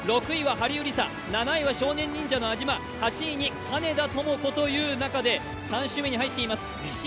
６位はハリウリサ、７位は少年忍者の安嶋８位に金田朋子という中で３周目に入ってきています。